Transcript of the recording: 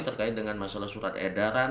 terkait dengan masalah surat edaran